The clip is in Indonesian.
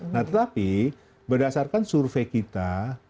nah tetapi berdasarkan survei kita